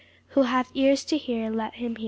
Who hath ears to hear, let him hear.